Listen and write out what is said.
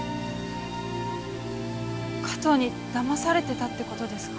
加藤にだまされてたって事ですか？